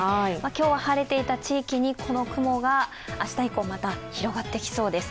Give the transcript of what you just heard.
今日は晴れていた地域にこの雲が明日以降、また広がってきそうです